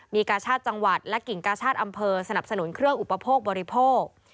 มีกาชาติจังหวัดและกิ่งกาชาติอำเภอสนับสนุนเครื่องอุปโภคบริโภค